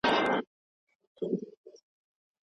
له نارنج تر انارګله له پامیره تر کابله